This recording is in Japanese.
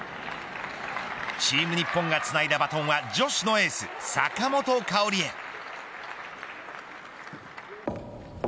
チーム日本がつないだバトンは女子のエース、坂本花織へ。